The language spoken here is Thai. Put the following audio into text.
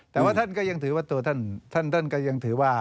แต่ว่าท่านก็ยังถือว่าตัวท่านท่านก็ยังถือว่า